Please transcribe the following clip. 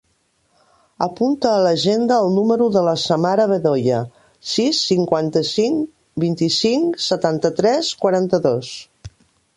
Apunta a l'agenda el número de la Samara Bedoya: sis, cinquanta-cinc, vint-i-cinc, setanta-tres, quaranta-dos.